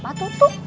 bukan kamu tutup